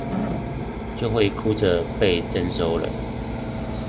就會哭著被徵收了